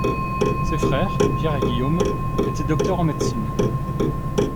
Ses frères: Pierre et Guillaume étaient docteurs en médecine.